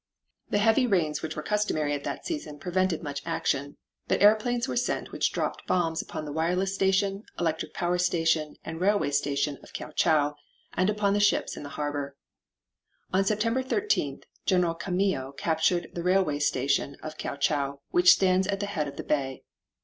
The heavy rains which were customary at that season prevented much action, but airplanes were sent which dropped bombs upon the wireless station, electric power station and railway station of Kiao chau, and upon the ships in the harbor. On September 13th General Kamio captured the railway station of Kiao chau which stands at the head of the bay.